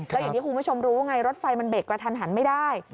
แล้วอย่างที่คุณผู้ชมรู้ไงรถไฟมันเบรกกระทันหันไม่ได้